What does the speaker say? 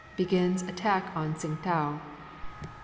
Begins attack on Tsingtau. 24.